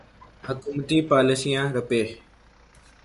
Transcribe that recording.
حکومتی پالیسیاں روپے